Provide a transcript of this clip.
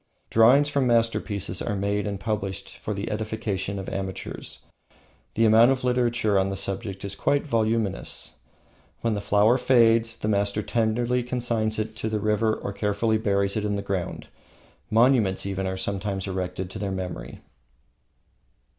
Drawings from masterpieces are made and published for the edification of amateurs. The amount of literature on the subject is quite voluminous. When the flower fades, the master tenderly consigns it to the river or carefully buries it in the ground. Monuments are sometimes erected to their memory.